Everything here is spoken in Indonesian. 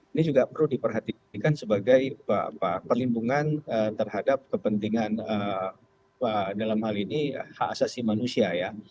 ini juga perlu diperhatikan sebagai perlindungan terhadap kepentingan dalam hal ini hak asasi manusia ya